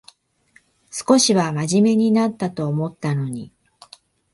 少しはまじめになったと思ったのに